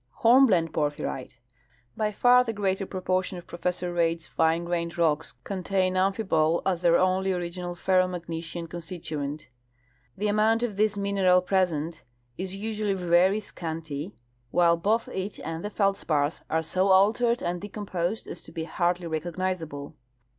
Hornblende porphyrite. — By iar the greater proportion of Pro fessor Reid's tine grained rocks contain amphibole as their only original ferro magnesian constituent. The amount of this min eral present is usually very scanty', while l)oth it arid the feld spars are so altered and decomposed as to be hardl}^ recognizable.